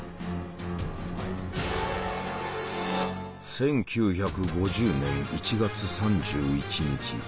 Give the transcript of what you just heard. １９５０年１月３１日。